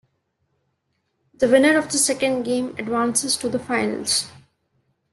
The winner of the second game advances to the finals.